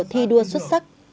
thi đua xuất sắc